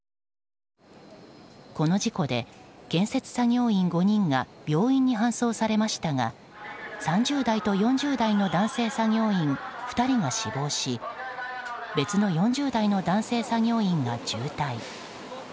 この事故で、建設作業員５人が病院に搬送されましたが３０代と４０代の男性作業員２人が死亡し別の４０代の男性作業員が重体。